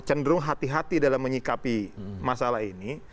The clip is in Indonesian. cenderung hati hati dalam menyikapi masalah ini